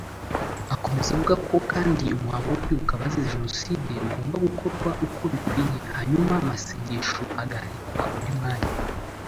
Akomeza avuga ko kandi umuhango wo kwibuka abazize Jenoside ugomba gukorwa uko bikwiye hanyuma amasengesho agaharirwa undi mwanya